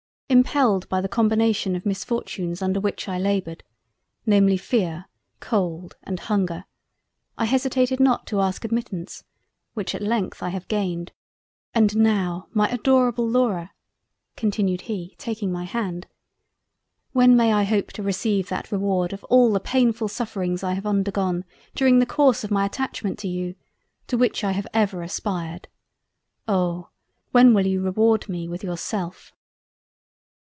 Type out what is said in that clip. Impelled by the combination of Misfortunes under which I laboured, namely Fear, Cold and Hunger I hesitated not to ask admittance which at length I have gained; and now my Adorable Laura (continued he taking my Hand) when may I hope to receive that reward of all the painfull sufferings I have undergone during the course of my attachment to you, to which I have ever aspired. Oh! when will you reward me with Yourself?"